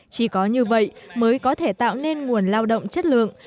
chỉ có như vậy mới có thể tạo nên nguồn lao động chất lượng